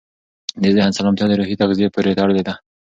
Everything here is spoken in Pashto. د ذهن سالمتیا د روحي تغذیې پورې تړلې ده.